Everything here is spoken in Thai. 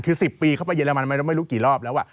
คือ๑๐ปีเข้าไปเรมันไม่รู้กี่รอบแล้ว